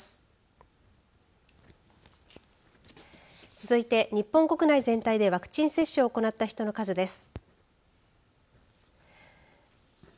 続いて日本国内全体でワクチン接種を行った人の数です。